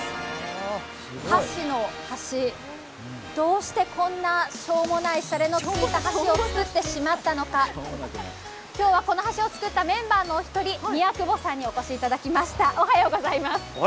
箸の橋、どうしてこんなしょーもないしゃれの橋を作ってしまったのか、今日はこの橋を作ったメンバーのお一人、宮窪さんにお越しいただきました。